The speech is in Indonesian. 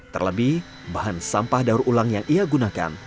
terlebih bahan sampah daur ulang yang ia gunakan